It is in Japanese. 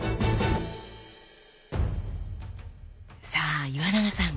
さあ岩永さん